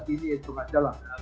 ini itu aja lah